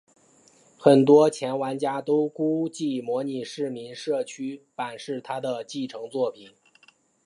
很多的前玩家都估计模拟市民社区版是它的继承作品。